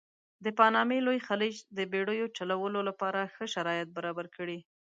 د پانامې لوی خلیج د بېړیو چلولو لپاره ښه شرایط برابر کړي.